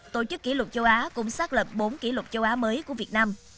tổ chức kỷ lục châu á cũng xác lập bốn kỷ lục châu á mới của việt nam